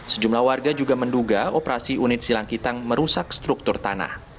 sejumlah warga juga menduga operasi unit silangkitang merusak struktur tanah